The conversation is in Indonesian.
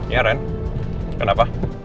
ya wren kenapa